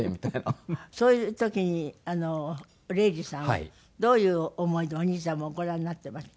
そういう時に礼二さんはどういう思いでお兄様をご覧になっていました？